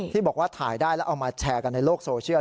ที่บอกว่าถ่ายได้แล้วเอามาแชร์กันในโลกโซเชียล